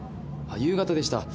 夕方でした。